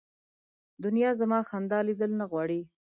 دنیا زما خندا لیدل نه غواړي